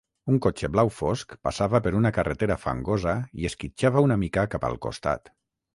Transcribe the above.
Un cotxe blau fosc passava per una carretera fangosa i esquitxava una mica cap al costat.